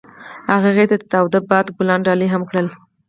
هغه هغې ته د تاوده باد ګلان ډالۍ هم کړل.